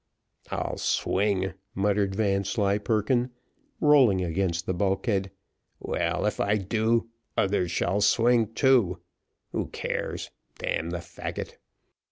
"I'll swing," muttered Vanslyperken, rolling against the bulkhead. "Well, if I do, others shall swing too. Who cares? damn the faggot!"